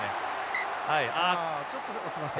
あちょっと落ちました。